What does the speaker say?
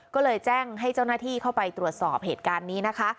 ก็เลยแจ้งให้เจ้าหน้าที่เข้าไปตรวจสอบเหตุการณ์นี้นะคะ